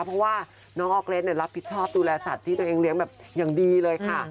เพราะว่าน้องออกเกรสรับผิดชอบดูแลสัตว์ที่ตัวเองเลี้ยงแบบอย่างดีเลยค่ะ